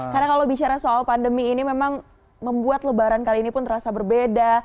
karena kalau bicara soal pandemi ini memang membuat lebaran kali ini pun terasa berbeda